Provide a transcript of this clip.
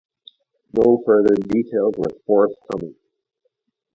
No further details were forthcoming.